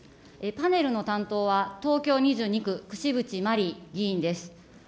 パネルの担当は、東京２２区、くしぶちまり議員です。